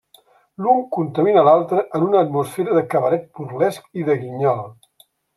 L'un contamina l'altre en una atmosfera de cabaret burlesc i de guinyol.